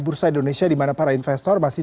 bursa indonesia dimana para investor masih